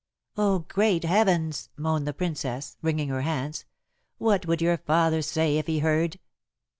"Oh, great heavens!" moaned the Princess, wringing her hands; "what would your father say if he heard?"